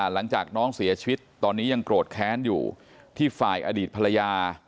หลังจากน้องเสียชีวิตตอนนี้ยังโกรธแค้นอยู่ที่ฝ่ายอดีตภรรยา